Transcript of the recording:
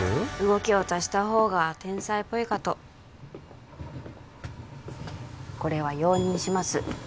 動きを足した方が天才っぽいかとこれは容認します